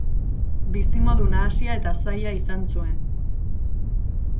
Bizimodu nahasia eta zaila izan zuen.